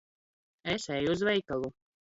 Es eju uz veikalu.